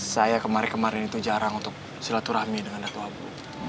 saya kemarin kemarin itu jarang untuk silaturahmi dengan datu abu